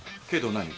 けど。